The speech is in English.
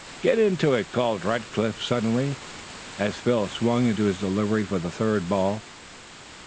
"Get into it!" called Rackliff suddenly, as Phil swung into his delivery for the third ball.